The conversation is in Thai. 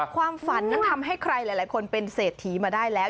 ความฝันนั้นทำให้ใครหลายคนเป็นเศรษฐีมาได้แล้ว